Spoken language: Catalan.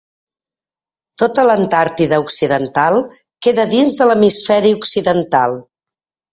Tota l'Antàrtida Occidental queda dins de l'Hemisferi Occidental.